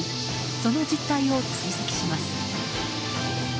その実態を追跡します。